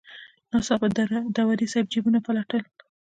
ناڅاپه داوري صاحب جیبونه پلټل.